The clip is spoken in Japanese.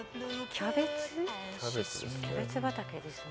キャベツ畑ですね。